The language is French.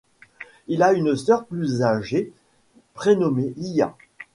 Il a une sœur plus âgée prénommée Lia.